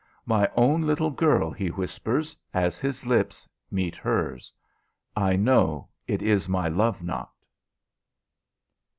"My own little girl," he whispers, as his lips meet hers. "I know it is my love knot."